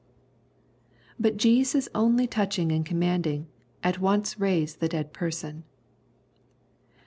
But Jesus only touching and commanding, at once raised the dead person."